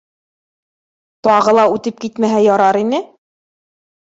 Тағы ла үтеп китмәһә ярар ине.